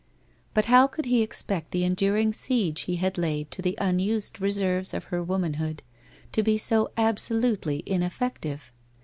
But how could he expect the enduring siege he had laid to the unused reserves of her womanhood, to be so absolutely ineffective?